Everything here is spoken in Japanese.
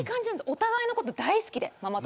お互いのこと大好きで。